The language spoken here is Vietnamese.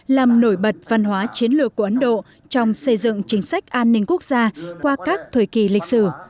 làm nổi bật văn hóa chiến lược của ấn độ trong xây dựng chính sách an ninh quốc gia qua các thời kỳ lịch sử